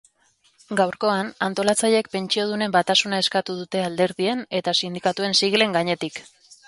Gaurkoan, antolatzaileek pentsiodunen batasuna eskatu dute alderdien eta sindikatuen siglen gainetik.